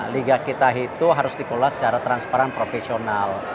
liga kita itu harus dikelola secara transparan profesional